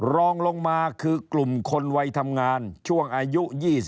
รองลงมาคือกลุ่มคนวัยทำงานช่วงอายุ๒๐